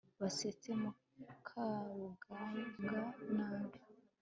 basetse mukarugambwa nabi